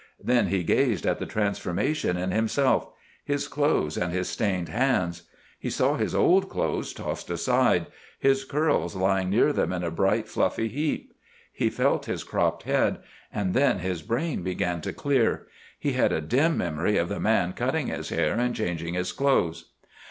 Then he gazed at the transformation in himself—his clothes and his stained hands. He saw his old clothes tossed aside, his curls lying near them in a bright, fluffy heap. He felt his cropped head. And then his brain began to clear. He had a dim memory of the man cutting his hair and changing his clothes.